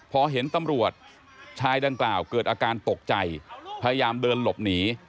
พอเห็นตำรวจชายดังกล่าวเกิดอาการตกใจพยายามเดินหลบหนี